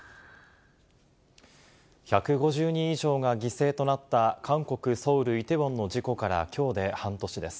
１５０人以上が犠牲となった韓国・ソウル・イテウォンの事故からきょうで半年です。